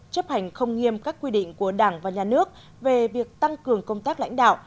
chấp hành không nghiêm các quy định của đảng và nhà nước về việc tăng cường công tác lãnh đạo